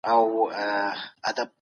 حکومت بايد د بې وزلو پوښتنه وکړي.